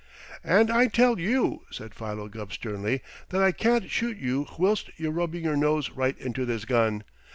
"And I tell you," said Philo Gubb sternly, "that I can't shoot you whilst you're rubbing your nose right into this gun.